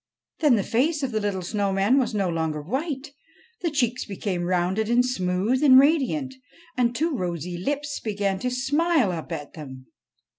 Then the face of the little snow man was no longer white. The cheeks became rounded and smooth and radiant, and two rosy lips began to smile up at them.